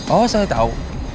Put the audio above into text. oh saya tau